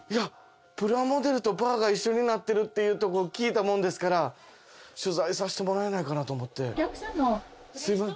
プラモデルとバーが一緒になってるっていうとこ聞いたもんですから取材させてもらえないかなと思って。